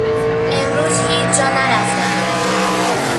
امروز هیچ جا نرفتهام.